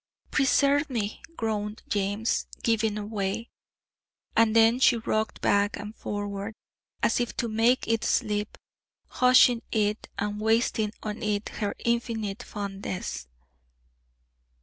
"Preserve me!" groaned James, giving away. And then she rocked back and forward, as if to make it sleep, hushing it, and wasting on it her infinite fondness.